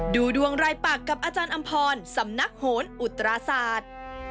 ดูดวงรายปากกับอาจารย์อำพรสำนักโหนอุตราศาสตร์